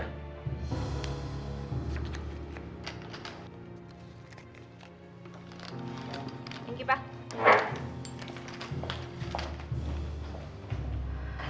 thank you pa